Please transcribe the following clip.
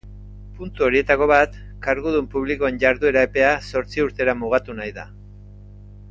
Puntu horietako bat kargudun publikoen jarduera-epea zortzi urtera mugatu nahia da.